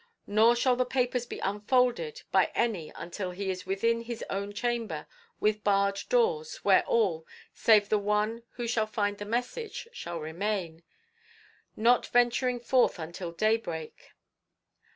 Nor shall the papers be unfolded by any until he is within his own chamber, with barred doors, where all, save the one who shall find the message, shall remain, not venturing forth until daybreak.